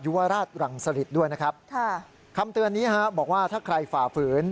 วราชรังสริตด้วยนะครับค่ะคำเตือนนี้ฮะบอกว่าถ้าใครฝ่าฝืน